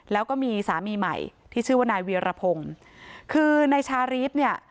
แล้วก็มีสามีใหม่ที่ชื่อว่านายเวียรพงศ์คือนายชารีฟเนี่ย